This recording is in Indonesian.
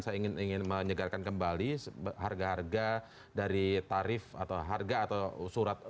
saya ingin menyegarkan kembali harga harga dari tarif atau harga atau surat